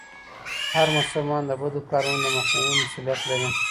هر مسلمان د بدو کارونو د مخنيوي مسئوليت لري.